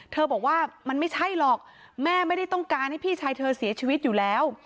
บอกว่ามันไม่ใช่หรอกแม่ไม่ได้ต้องการให้พี่ชายเธอเสียชีวิตอยู่แล้ว